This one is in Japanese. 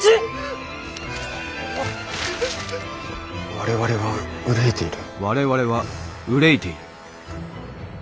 「我々は憂いている」。